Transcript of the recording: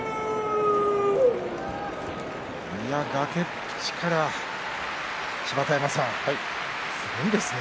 崖っぷちから芝田山さんすごいですね。